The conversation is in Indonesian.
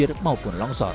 sir maupun langsor